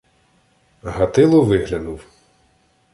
Гатило виглянув: